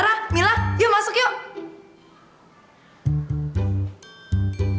eh nata mila yuk masuk yuk